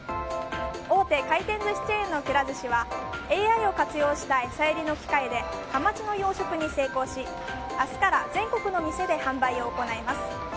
大手回転寿司チェーンのくら寿司は、ＡＩを活用した餌やりの機械でハマチの養殖に成功し明日から全国の店で販売を行います。